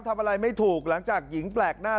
ทำอะไรไม่ถูกหลังจากหญิงแปลกหน้า